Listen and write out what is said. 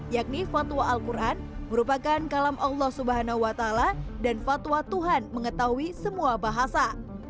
yakni fatwa al quran merupakan kalam allah swt dan fatwa tuhan mengetahui semua bahasa